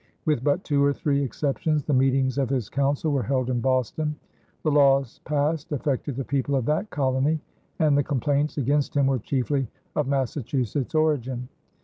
With but two or three exceptions, the meetings of his council were held in Boston; the laws passed affected the people of that colony; and the complaints against him were chiefly of Massachusetts origin.